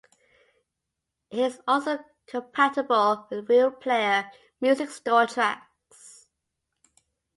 It is also compatible with RealPlayer Music Store tracks.